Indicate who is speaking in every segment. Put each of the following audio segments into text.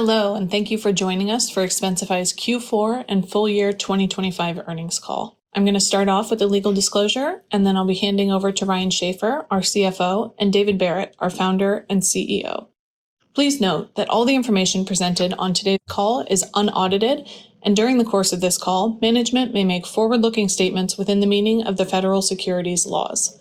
Speaker 1: Hello, thank you for joining us for Expensify's Q4 and full year 2025 earnings call. I'm gonna start off with a legal disclosure, and then I'll be handing over to Ryan Schaffer, our CFO, and David Barrett, our Founder and CEO. Please note that all the information presented on today's call is unaudited, and during the course of this call, management may make forward-looking statements within the meaning of the federal securities laws.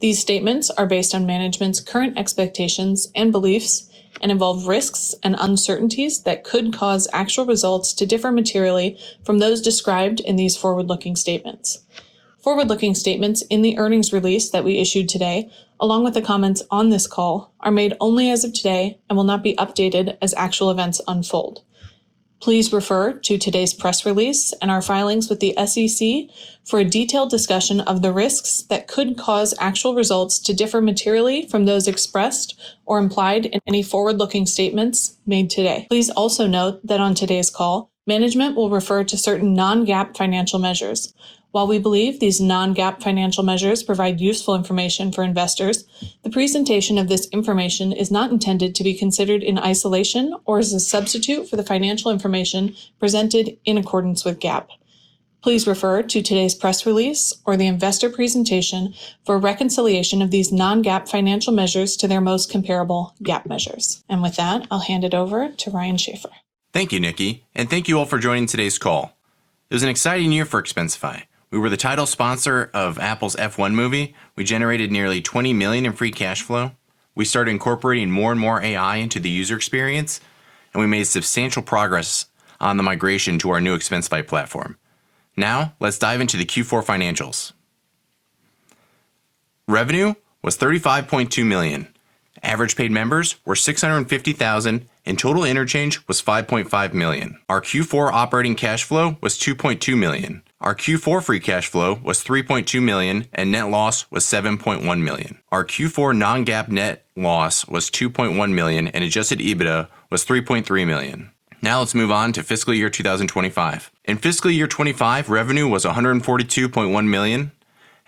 Speaker 1: These statements are based on management's current expectations and beliefs and involve risks and uncertainties that could cause actual results to differ materially from those described in these forward-looking statements. Forward-looking statements in the earnings release that we issued today, along with the comments on this call, are made only as of today and will not be updated as actual events unfold. Please refer to today's press release and our filings with the SEC for a detailed discussion of the risks that could cause actual results to differ materially from those expressed or implied in any forward-looking statements made today. Please also note that on today's call, management will refer to certain non-GAAP financial measures. While we believe these non-GAAP financial measures provide useful information for investors, the presentation of this information is not intended to be considered in isolation or as a substitute for the financial information presented in accordance with GAAP. Please refer to today's press release or the investor presentation for reconciliation of these non-GAAP financial measures to their most comparable GAAP measures. With that, I'll hand it over to Ryan Schaffer.
Speaker 2: Thank you, Nikki, and thank you all for joining today's call. It was an exciting year for Expensify. We were the title sponsor of Apple's F1 movie. We generated nearly $20 million in free cash flow. We started incorporating more and more AI into the user experience, we made substantial progress on the migration to our New Expensify platform. Now, let's dive into the Q4 financials. Revenue was $35.2 million. Average paid members were 650,000, total interchange was $5.5 million. Our Q4 operating cash flow was $2.2 million. Our Q4 free cash flow was $3.2 million, net loss was $7.1 million. Our Q4 non-GAAP net loss was $2.1 million, adjusted EBITDA was $3.3 million. Let's move on to fiscal year 2025. In fiscal year 2025, revenue was $142.1 million,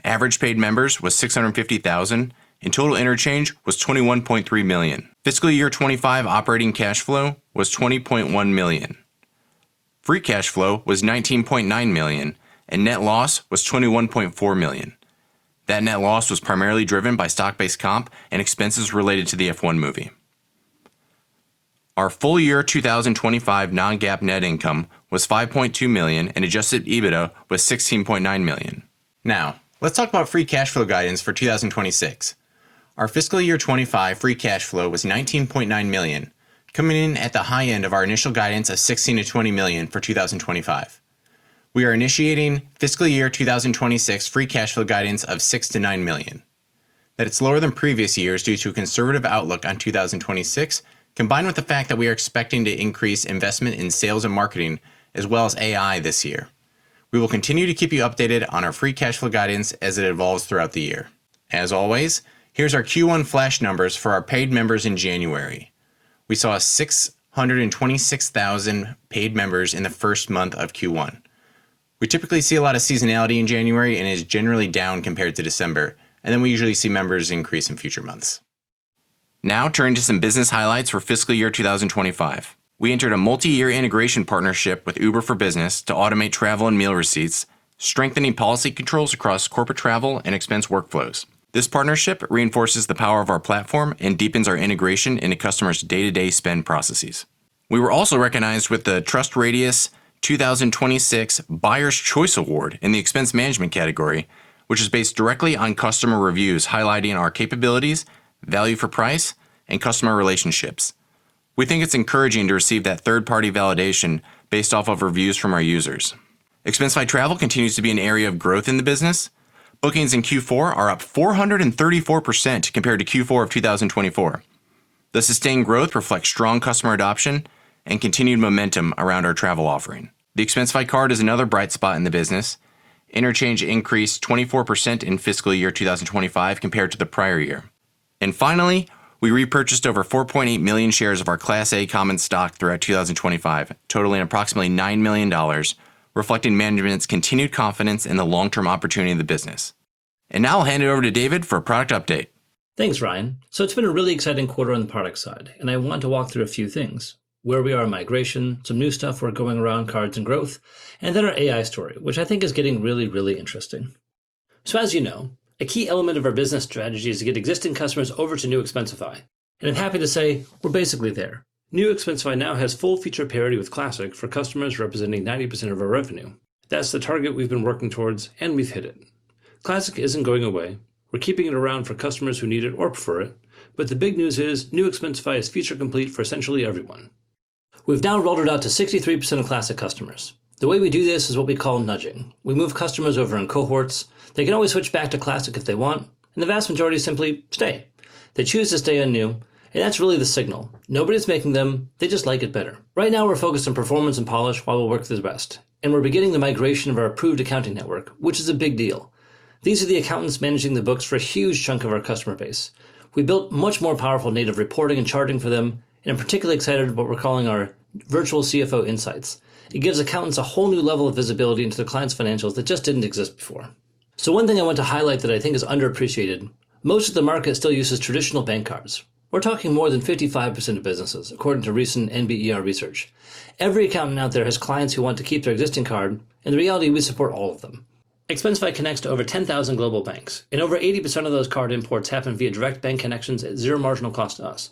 Speaker 2: average paid members was 650,000, and total interchange was $21.3 million. Fiscal year 2025 operating cash flow was $20.1 million. Free cash flow was $19.9 million, and net loss was $21.4 million. That net loss was primarily driven by stock-based comp and expenses related to the F1 movie. Our full year 2025 non-GAAP net income was $5.2 million, and adjusted EBITDA was $16.9 million. Let's talk about free cash flow guidance for 2026. Our fiscal year 2025 free cash flow was $19.9 million, coming in at the high end of our initial guidance of $16 million-$20 million for 2025. We are initiating fiscal year 2026 free cash flow guidance of $6 million-$9 million. That it's lower than previous years due to a conservative outlook on 2026, combined with the fact that we are expecting to increase investment in sales and marketing, as well as AI this year. We will continue to keep you updated on our free cash flow guidance as it evolves throughout the year. As always, here's our Q1 flash numbers for our paid members in January. We saw 626,000 paid members in the first month of Q1. We typically see a lot of seasonality in January, and it is generally down compared to December, and then we usually see members increase in future months. Now, turning to some business highlights for fiscal year 2025. We entered a multi-year integration partnership with Uber for Business to automate travel and meal receipts, strengthening policy controls across corporate travel and expense workflows. This partnership reinforces the power of our platform and deepens our integration into customers' day-to-day spend processes. We were also recognized with the TrustRadius 2026 Buyer's Choice Award in the expense management category, which is based directly on customer reviews, highlighting our capabilities, value for price, and customer relationships. We think it's encouraging to receive that third-party validation based off of reviews from our users. Expensify Travel continues to be an area of growth in the business. Bookings in Q4 are up 434% compared to Q4 of 2024. The sustained growth reflects strong customer adoption and continued momentum around our travel offering. The Expensify Card is another bright spot in the business. Interchange increased 24% in fiscal year 2025 compared to the prior year. Finally, we repurchased over 4.8 million shares of our Class A common stock throughout 2025, totaling approximately $9 million, reflecting management's continued confidence in the long-term opportunity of the business. Now I'll hand it over to David for a product update.
Speaker 3: Thanks, Ryan. It's been a really exciting quarter on the product side, and I want to walk through a few things: where we are in migration, some new stuff we're going around cards and growth, and then our AI story, which I think is getting really, really interesting. As you know, a key element of our business strategy is to get existing customers over to New Expensify, and I'm happy to say we're basically there. New Expensify now has full feature parity with Classic for customers representing 90% of our revenue. That's the target we've been working towards, and we've hit it. Classic isn't going away. We're keeping it around for customers who need it or prefer it, the big news is New Expensify is feature complete for essentially everyone. We've now rolled it out to 63% of Classic customers. The way we do this is what we call nudging. We move customers over in cohorts. They can always switch back to Classic if they want. The vast majority simply stay. They choose to stay on New. That's really the signal. Nobody's making them. They just like it better. Right now, we're focused on performance and polish while we work through the rest. We're beginning the migration of our approved accounting network, which is a big deal. These are the accountants managing the books for a huge chunk of our customer base. We built much more powerful native reporting and charting for them. I'm particularly excited about what we're calling our virtual CFO insights. It gives accountants a whole new level of visibility into their clients' financials that just didn't exist before. One thing I want to highlight that I think is underappreciated, most of the market still uses traditional bank cards. We're talking more than 55% of businesses, according to recent NBER research. Every accountant out there has clients who want to keep their existing card. In reality, we support all of them. Expensify connects to over 10,000 global banks, and over 80% of those card imports happen via direct bank connections at zero marginal cost to us.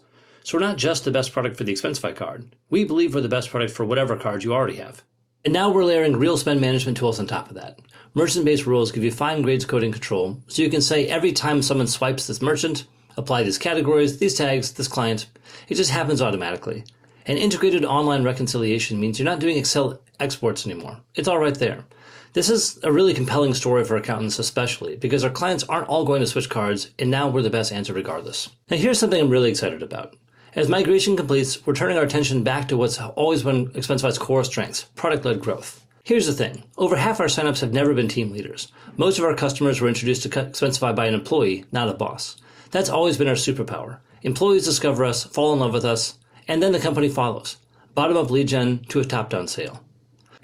Speaker 3: We're not just the best product for the Expensify Card, we believe we're the best product for whatever card you already have. Now we're layering real spend management tools on top of that. Merchant-based rules give you fine-grained coding control, so you can say, "Every time someone swipes this merchant, apply these categories, these tags, this client." It just happens automatically. Integrated online reconciliation means you're not doing Excel exports anymore. It's all right there. This is a really compelling story for accountants, especially because our clients aren't all going to switch cards. Now we're the best answer regardless. Here's something I'm really excited about. As migration completes, we're turning our attention back to what's always been Expensify's core strengths: product-led growth. Here's the thing, over half our signups have never been team leaders. Most of our customers were introduced to Expensify by an employee, not a boss. That's always been our superpower. Employees discover us, fall in love with us. The company follows. Bottom-up lead gen to a top-down sale.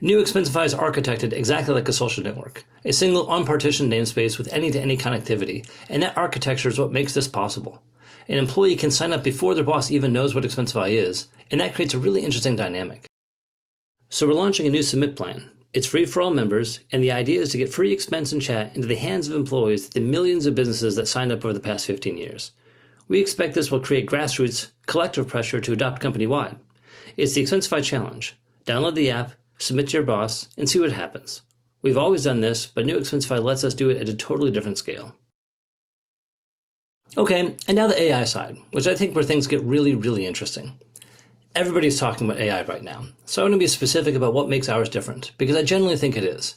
Speaker 3: New Expensify is architected exactly like a social network, a single unpartitioned namespace with any-to-any connectivity. That architecture is what makes this possible. An employee can sign up before their boss even knows what Expensify is. That creates a really interesting dynamic. We're launching a new Submit plan. It's free for all members. The idea is to get free expense and chat into the hands of employees of the millions of businesses that signed up over the past 15 years. We expect this will create grassroots collective pressure to adopt company-wide. It's the Expensify challenge: download the app, submit to your boss, and see what happens. We've always done this. New Expensify lets us do it at a totally different scale. Now the AI side, which I think where things get really, really interesting. Everybody's talking about AI right now. I'm going to be specific about what makes ours different, because I generally think it is.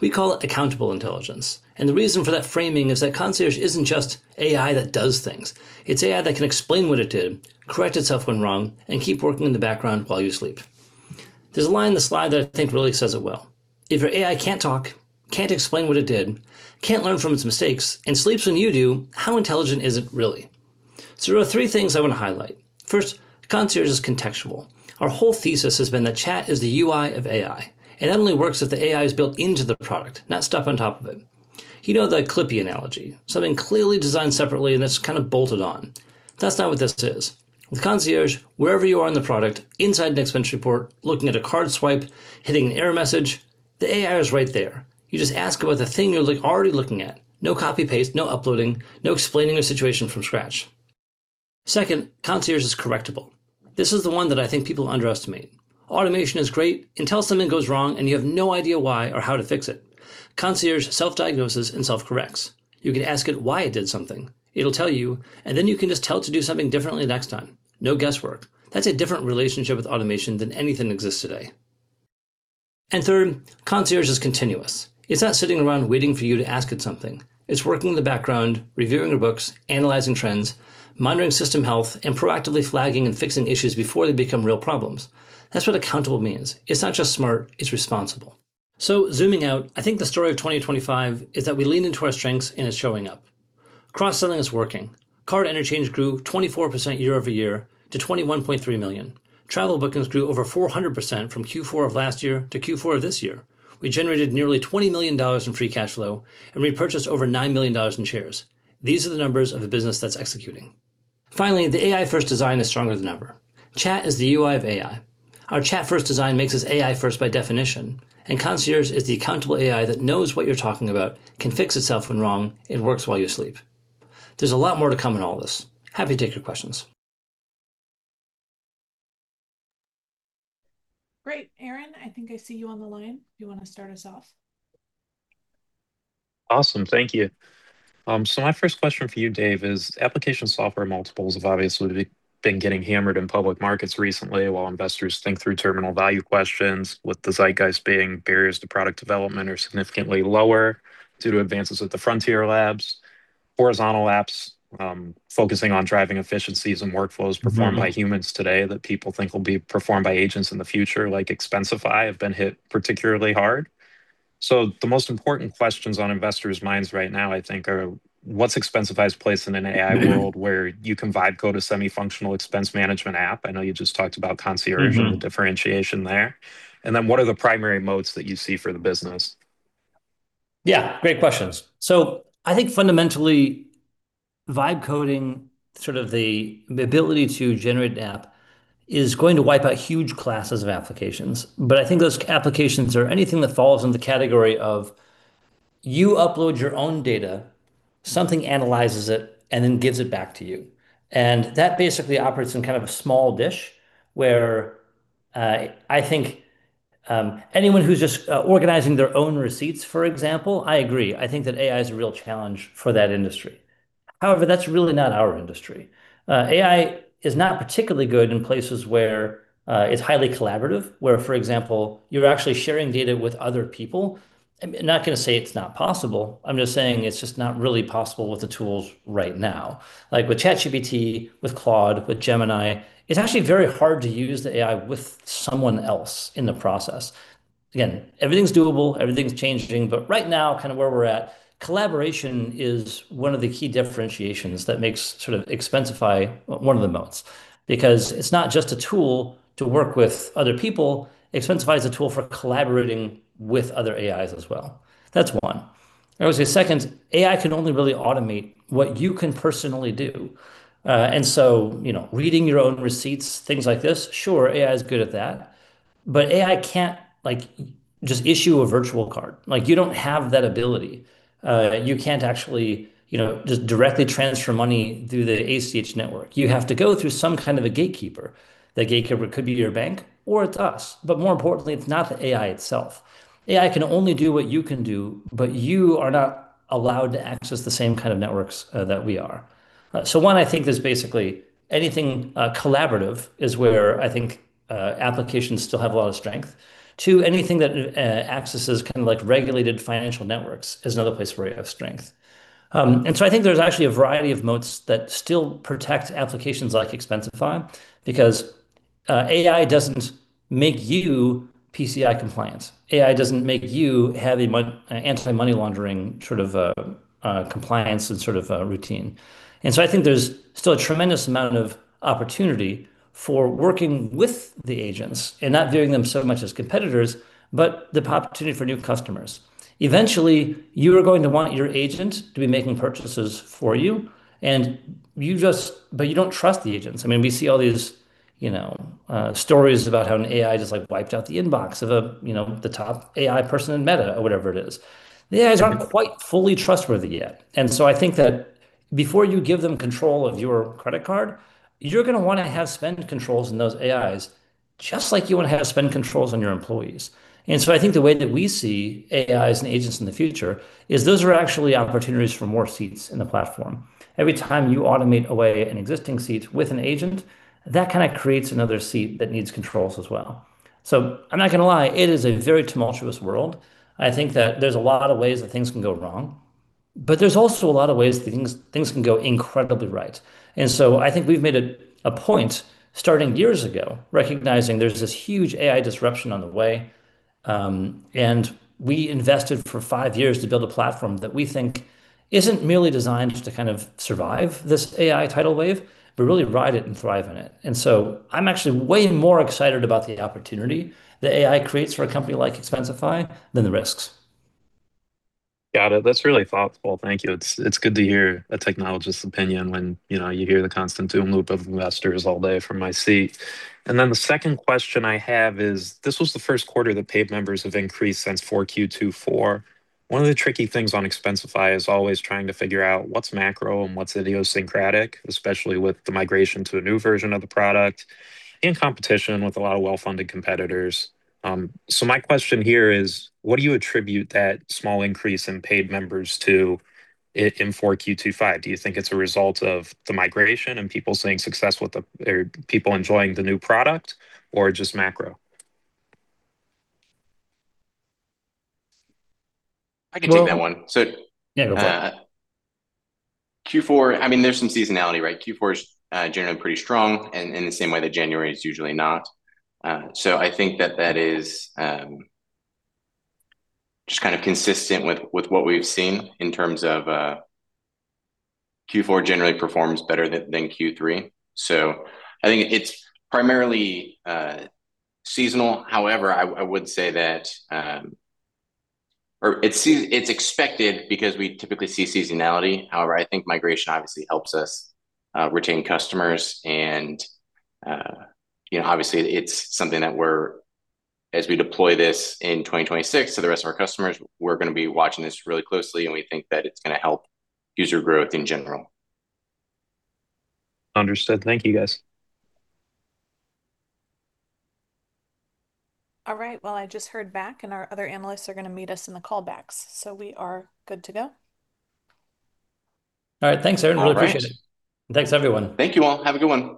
Speaker 3: We call it accountable intelligence, and the reason for that framing is that Concierge isn't just AI that does things. It's AI that can explain what it did, correct itself when wrong, and keep working in the background while you sleep. There's a line in the slide that I think really says it well: "If your AI can't talk, can't explain what it did, can't learn from its mistakes, and sleeps when you do, how intelligent is it really?" There are three things I want to highlight. First, Concierge is contextual. Our whole thesis has been that chat is the UI of AI. It only works if the AI is built into the product, not stuffed on top of it. You know, the Clippy analogy, something clearly designed separately and it's kind of bolted on. That's not what this is. With Concierge, wherever you are in the product, inside an expense report, looking at a card swipe, hitting an error message, the AI is right there. You just ask about the thing you're already looking at. No copy-paste, no uploading, no explaining a situation from scratch. Second, Concierge is correctable. This is the one that I think people underestimate. Automation is great until something goes wrong, and you have no idea why or how to fix it. Concierge self-diagnoses and self-corrects. You can ask it why it did something. It'll tell you, and then you can just tell it to do something differently next time. No guesswork. That's a different relationship with automation than anything that exists today. Third, Concierge is continuous. It's not sitting around waiting for you to ask it something. It's working in the background, reviewing your books, analyzing trends, monitoring system health, and proactively flagging and fixing issues before they become real problems. That's what accountable means. It's not just smart, it's responsible. Zooming out, I think the story of 2025 is that we leaned into our strengths, and it's showing up. Cross-selling is working. Card interchange grew 24% year-over-year to $21.3 million. Travel bookings grew over 400% from Q4 of last year to Q4 of this year. We generated nearly $20 million in free cash flow, and we purchased over $9 million in shares. These are the numbers of a business that's executing. Finally, the AI-first design is stronger than ever. Chat is the UI of AI. Our chat-first design makes us AI-first by definition, Concierge is the accountable AI that knows what you're talking about, can fix itself when wrong, and works while you sleep. There's a lot more to come in all this. Happy to take your questions.
Speaker 1: Great. Aaron, I think I see you on the line. You want to start us off?
Speaker 4: Awesome. Thank you. My first question for you, Dave, is application software multiples have obviously been getting hammered in public markets recently, while investors think through terminal value questions, with the zeitgeist being barriers to product development are significantly lower due to advances at the frontier labs. Horizontal apps, focusing on driving efficiencies and workflows.
Speaker 3: Mm-hmm.
Speaker 4: Performed by humans today that people think will be performed by agents in the future, like Expensify, have been hit particularly hard. The most important questions on investors' minds right now, I think, are, what's Expensify's place in an AI world?
Speaker 3: Mm-hmm.
Speaker 4: Where you can vibe code a semi-functional expense management app? I know you just talked about Concierge.
Speaker 3: Mm-hmm.
Speaker 4: And the differentiation there. What are the primary moats that you see for the business?
Speaker 3: Yeah, great questions. I think fundamentally, vibe coding, sort of the ability to generate an app, is going to wipe out huge classes of applications. I think those applications are anything that falls in the category of you upload your own data, something analyzes it, and then gives it back to you, and that basically operates in kind of a small dish, where, I think, anyone who's just organizing their own receipts, for example, I agree, I think that AI is a real challenge for that industry. However, that's really not our industry. AI is not particularly good in places where it's highly collaborative, where, for example, you're actually sharing data with other people. I'm not going to say it's not possible, I'm just saying it's just not really possible with the tools right now. Like with ChatGPT, with Claude, with Gemini, it's actually very hard to use the AI with someone else in the process. Everything's doable, everything's changing, but right now, kind of where we're at, collaboration is one of the key differentiations that makes sort of Expensify one of the moats, because it's not just a tool to work with other people. Expensify is a tool for collaborating with other AIs as well. That's one. I would say second, AI can only really automate what you can personally do. You know, reading your own receipts, things like this, sure, AI is good at that, but AI can't, like, just issue a virtual card. Like, you don't have that ability. You can't actually, you know, just directly transfer money through the ACH network. You have to go through some kind of a gatekeeper. The gatekeeper could be your bank or it's us. More importantly, it's not the AI itself. AI can only do what you can do, but you are not allowed to access the same kind of networks that we are. One, I think there's basically anything collaborative is where I think applications still have a lot of strength. Two, anything that accesses kind of like regulated financial networks is another place where we have strength. I think there's actually a variety of moats that still protect applications like Expensify, because AI doesn't make you PCI compliant. AI doesn't make you have a anti-money laundering sort of compliance and sort of routine. I think there's still a tremendous amount of opportunity for working with the agents and not viewing them so much as competitors, but the opportunity for new customers. Eventually, you are going to want your agent to be making purchases for you and you don't trust the agents. I mean, we see all these, you know, stories about how an AI just, like, wiped out the inbox of a, you know, the top AI person in Meta or whatever it is. The AIs aren't quite fully trustworthy yet. So I think that before you give them control of your credit card, you're gonna wanna have spend controls in those AIs, just like you want to have spend controls on your employees. I think the way that we see AIs and agents in the future is those are actually opportunities for more seats in the platform. Every time you automate away an existing seat with an agent, that kind of creates another seat that needs controls as well. I'm not going to lie, it is a very tumultuous world. I think that there's a lot of ways that things can go wrong, but there's also a lot of ways that things can go incredibly right. I think we've made it a point, starting years ago, recognizing there's this huge AI disruption on the way. And we invested for five years to build a platform that we think isn't merely designed to kind of survive this AI tidal wave, but really ride it and thrive in it. I'm actually way more excited about the opportunity that AI creates for a company like Expensify than the risks.
Speaker 4: Got it. That's really thoughtful. Thank you. It's good to hear a technologist's opinion when, you know, you hear the constant doom loop of investors all day from my seat. The second question I have is, this was the first quarter that paid members have increased since 4Q 2024. One of the tricky things on Expensify is always trying to figure out what's macro and what's idiosyncratic, especially with the migration to a new version of the product and competition with a lot of well-funded competitors. My question here is, what do you attribute that small increase in paid members to it in 4Q 2025? Do you think it's a result of the migration and people enjoying the new product or just macro?
Speaker 2: I can take that one.
Speaker 3: Yeah.
Speaker 2: Q4, I mean, there's some seasonality, right? Q4 is generally pretty strong, and in the same way that January is usually not. I think that that is just kind of consistent with what we've seen in terms of Q4 generally performs better than Q3. I think it's primarily seasonal. I would say that, or it's expected because we typically see seasonality. I think migration obviously helps us retain customers and, you know, obviously, it's something that as we deploy this in 2026 to the rest of our customers, we're gonna be watching this really closely, and we think that it's gonna help user growth in general.
Speaker 4: Understood. Thank you, guys.
Speaker 1: All right. Well, I just heard back, our other analysts are gonna meet us in the callbacks. We are good to go.
Speaker 3: All right. Thanks, Aaron.
Speaker 2: All right.
Speaker 3: Really appreciate it. Thanks, everyone.
Speaker 2: Thank you, all. Have a good one.